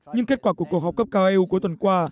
nhưng kết quả của cuộc họp cấp cao eu cuối tuần qua